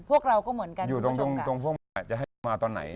พวกเราก็เหมือนกัน